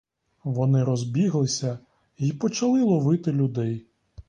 Вони розбіглися й почали ловити людей.